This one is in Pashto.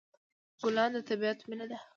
ګلان د طبیعت مینه ده.